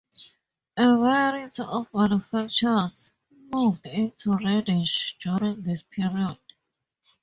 A variety of manufacturers moved into Reddish during this period.